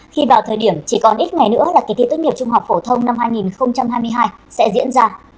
khi vào thời điểm chỉ còn ít ngày nữa là kỳ thi tốt nghiệp trung học phổ thông năm hai nghìn hai mươi hai sẽ diễn ra